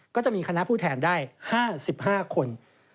ก็จะมีคณะผู้แทนได้๕๕คน